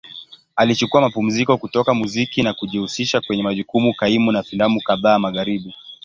Alichukua mapumziko kutoka muziki na kujihusisha kwenye majukumu kaimu na filamu kadhaa Magharibi.